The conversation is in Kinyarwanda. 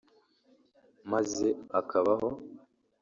maze akabaho